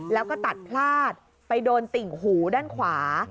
แล้วก็ตัดพลาดไปโดนติ่งหูด้านขวา